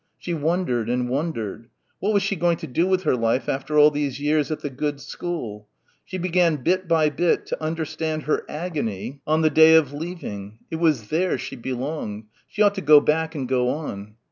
She wondered and wondered. What was she going to do with her life after all these years at the good school? She began bit by bit to understand her agony on the day of leaving. It was there she belonged. She ought to go back and go on.